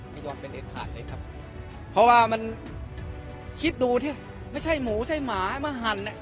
ไม่ยอมเป็นเด็ดขาดเลยครับเพราะว่ามันคิดดูที่ไม่ใช่หมูใช่หมาให้มาหั่นเนี่ย